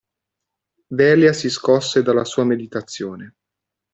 Delia si scosse dalla sua meditazione.